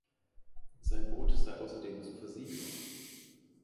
Sein Boot sei außerdem zu versiegeln.